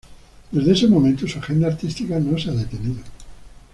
Desde ese momento su agenda artística no se ha detenido.